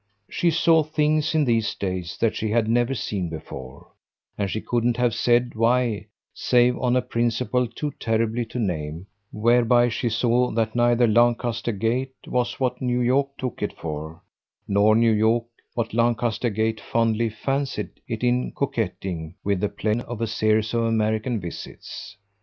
She saw things in these days that she had never seen before, and she couldn't have said why save on a principle too terrible to name; whereby she saw that neither Lancaster Gate was what New York took it for, nor New York what Lancaster Gate fondly fancied it in coquetting with the plan of a series of American visits.